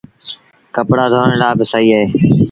ڪپڙآ ڌوڻ لآ با سهيٚ اهي۔